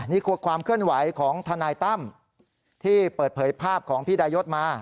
นี่คือความเคลื่อนไหวของทนายตั้มที่เปิดเผยภาพของพี่ดายศมา